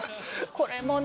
これもね